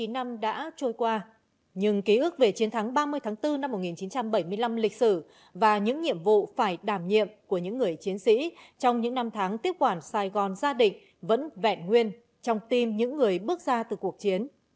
chín mươi năm đã trôi qua nhưng ký ức về chiến thắng ba mươi tháng bốn năm một nghìn chín trăm bảy mươi năm lịch sử và những nhiệm vụ phải đảm nhiệm của những người chiến sĩ trong những năm tháng tiếp quản sài gòn gia đình vẫn vẹn nguyên trong tim những người bước ra từ cuộc chiến